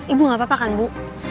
ibu gak apa apa kan bu